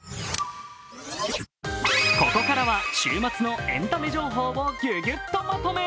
ここからは週末のエンタメ情報をギュギュッとまとめ。